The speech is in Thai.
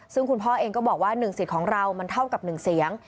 ซึ่งคุณพ่อเองก็บอกว่า๑สิทธิ์ของเรามันเท่ากับ๑เสียง